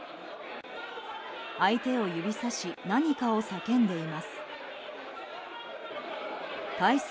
相手を指さし何かを叫んでいます。